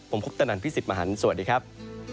ผมคุปตนันพี่สิทธิ์มหันฯสวัสดีครับ